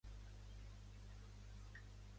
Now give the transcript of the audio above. Què ha fet Jordi Sànchez?